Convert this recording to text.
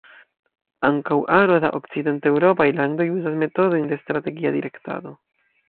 Ankaŭ aro da okcidenteŭropaj landoj uzas metodojn de strategia direktado.